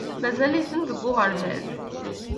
Mazal-itent deg uɣerbaz.